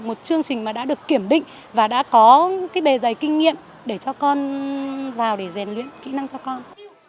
một chương trình mà đã được kiểm định và đã có cái bề dày kinh nghiệm để cho con vào để rèn luyện kỹ năng cho con